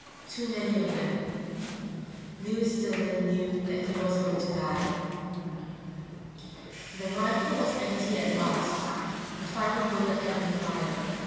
Too many of them. Lewis Stillman knew that he was going to die. The rifle was empty at last, the final bullet had been fired.